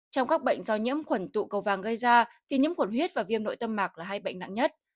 trong các bệnh do nhiễm khuẩn tụ cầu vàng gây ra thì nhiễm khuẩn huyết và viêm nội tâm mạc là hai bệnh nặng nhất